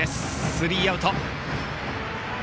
スリーアウト。